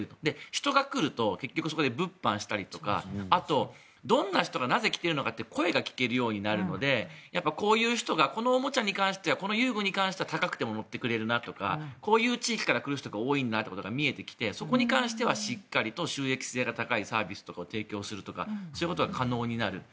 人が来ると結局そこで物販したりとかあと、どんな人がなぜ来ているかって声が聞けるようになるのでこういう人がこのおもちゃに関してはこの遊具に関しては高くても乗ってくれるなとかこういう地域から来る人が多いんだっていうことが見えてきて、そこに関してはしっかり収益性が高いサービスを提供するとかそういうことが可能になる。